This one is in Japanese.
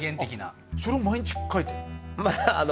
それを毎日書いてるの？